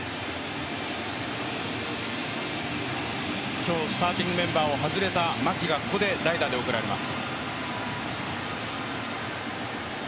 今日、スターティングメンバーを外れた牧が、ここで代打で送られます。